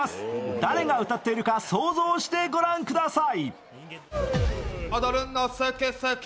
誰が歌っているか想像して御覧ください。